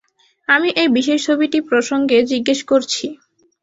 আমি এই বিশেষ ছবিটি প্রসঙ্গে জিজ্ঞেস করছি।